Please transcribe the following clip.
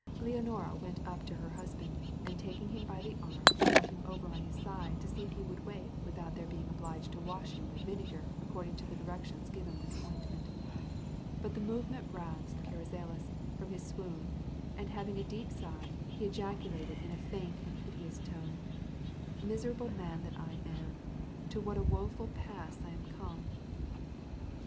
Leonora went up to her husband, and taking him by the arm, turned him over on his side to see if he would wake without their being obliged to wash him with vinegar according to the directions given with the ointment; but the movement roused Carrizales from his swoon, and heaving a deep sigh, he ejaculated in a faint and piteous tone, "Miserable man that I am! to what a woeful pass I am come!"